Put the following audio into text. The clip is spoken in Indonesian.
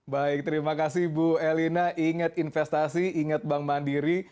baik terima kasih bu elina ingat investasi ingat bank mandiri